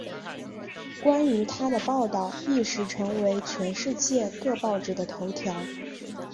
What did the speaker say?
关于她的报道一时成为全世界各报纸的头条。